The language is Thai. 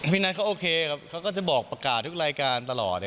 นัทเขาโอเคครับเขาก็จะบอกประกาศทุกรายการตลอด